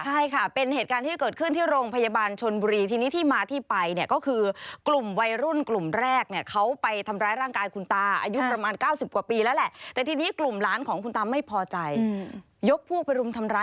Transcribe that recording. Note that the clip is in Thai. ใช่ค่ะเป็นเหตุการณ์ที่เกิดขึ้นที่โรงพยาบาลชนบุรี